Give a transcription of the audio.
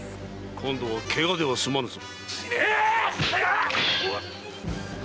今度はケガではすまぬぞ。